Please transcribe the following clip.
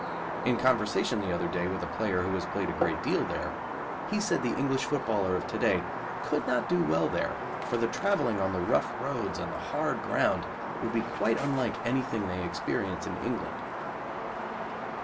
In conversation the other day with a player who has played a great deal there, he said the English footballer of to day could not do well there, for the travelling on the rough roads and the hard ground would be quite unlike anything they experience in England.